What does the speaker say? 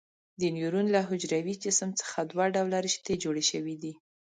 د نیورون له حجروي جسم څخه دوه ډوله رشتې جوړې شوي دي.